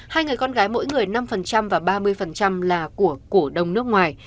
hai người con gái mỗi người năm và ba mươi là của cổ đông nước ngoài